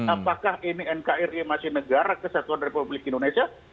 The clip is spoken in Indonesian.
apakah ini nkri masih negara kesatuan republik indonesia